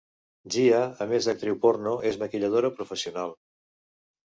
Gia, a més d'actriu porno és maquilladora professional.